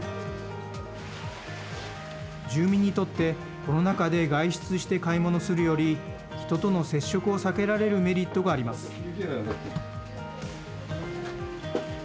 住民にとって、コロナ禍で外出して買い物するより人との接触を避けられるメリットがあります。